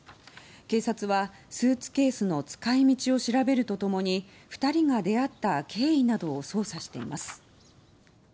警察はスーツケースの使い道を調べると共に２人が出会った経緯などを捜査しています。